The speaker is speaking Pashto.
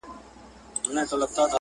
مثبت فکر ذهن ځواکمنوي.